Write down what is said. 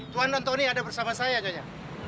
tuan antoni ada bersama saya nyonya